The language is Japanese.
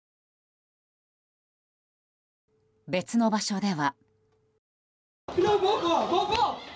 別の場所では。